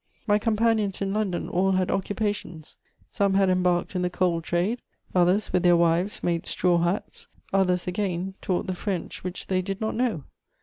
My companions in London all had occupations: some had embarked in the coal trade, others with their wives made straw hats, others again taught the French which they did not know.